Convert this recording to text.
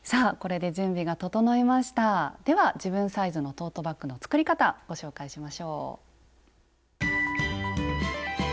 では自分サイズのトートバッグの作り方ご紹介しましょう。